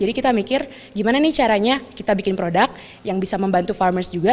jadi kita mikir gimana nih caranya kita bikin produk yang bisa membantu farmers juga